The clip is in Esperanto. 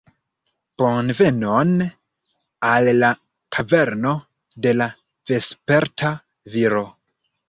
Bonvenon al la kaverno de la Vesperta Viro